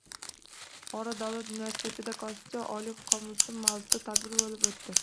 Buxoro davlat universitetida “Konstitutsiya — oliy qomusim” mavzuida tadbir bo‘lib o‘tdi